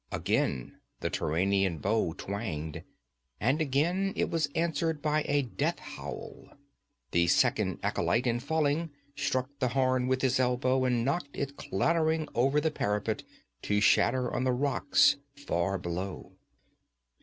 Again the Turanian bow twanged, and again it was answered by a death howl. The second acolyte, in falling, struck the horn with his elbow and knocked it clattering over the parapet to shatter on the rocks far below.